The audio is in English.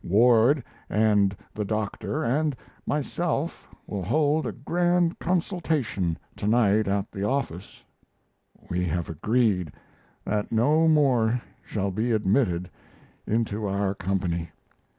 Ward and the Dr. and myself will hold a grand consultation to night at the office. We have agreed that no more shall be admitted into our company.